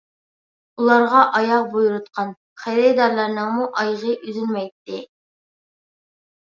بۇلارغا ئاياغ بۇيرۇتقان خېرىدارلارنىڭمۇ ئايىغى ئۈزۈلمەيتتى.